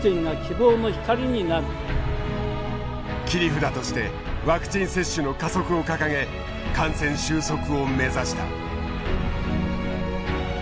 切り札としてワクチン接種の加速を掲げ感染収束を目指した。